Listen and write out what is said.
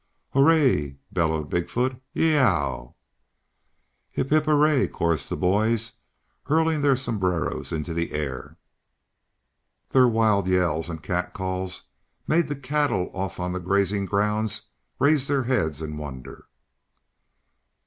"Hooray!" bellowed Big foot. "Y e e e o w!" "Hip hip, hooray!" chorused the boys, hurling their sombreros into the air. Their wild yells and cat calls made the cattle off on the grazing grounds raise their heads in wonder.